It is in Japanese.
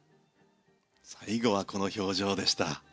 最後はこの表情でした。